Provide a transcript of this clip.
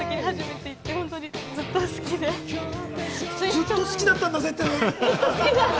ずっと好きだったんだ。